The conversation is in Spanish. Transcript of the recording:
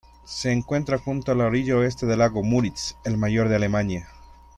Se encuentra junto la orilla oeste del lago Müritz, el mayor de Alemania.